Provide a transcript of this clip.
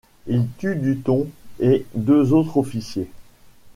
Ils tuent Dutton et deux autres officiers.